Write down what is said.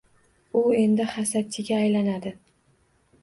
U endi hasadchiga aylanadi